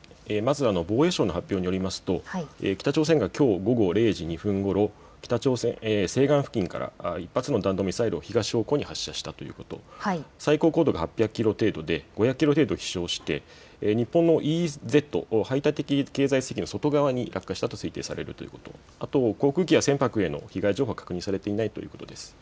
防衛省の発表によりますと北朝鮮がきょう午後０時２分ごろ、西岸付近から１発の弾道ミサイルを東方向に発射したと最高高度が８００キロ程度で５００キロ程度飛しょうし日本のＥＥＺ・排他的経済水域の外側に落下したと推定されると航空機や船舶への被害情報は確認されていないということです。